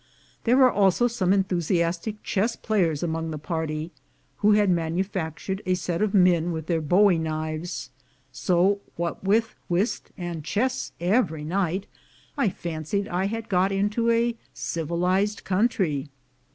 There were also some enthusiastic chess players among the party, who had manufactured a set of men with their bowie knives; so what with whist and chess every night, I fancied I had got into a civilized country.